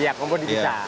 iya kompor di pisah